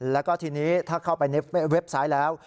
แล้วก็ทีนี้ถ้าเข้าไปในเว็บไซต์แล้ว